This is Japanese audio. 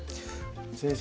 先生